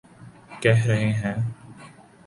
کہہ رہے ہیں۔